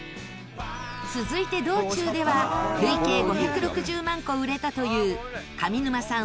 続いて道中では累計５６０万個売れたという上沼さん